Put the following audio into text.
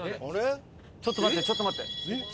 ちょっと待ってちょっと待って。